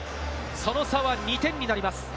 その差は２点になります。